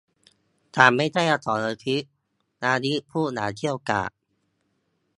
ฉันไม่ใช่อสรพิษ อลิซพูดอย่างเกรี้ยวกราด